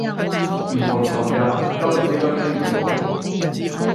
唔同尋日，今日應該傾唔到